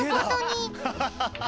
ハハハハハ！